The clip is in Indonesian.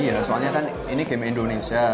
iya soalnya kan ini game indonesia